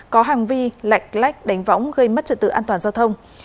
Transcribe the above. có hành vi lạch lách đánh võng gây mất trực tự an toàn giao thông